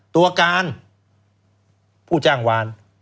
ตัวการผู้จ้างวาน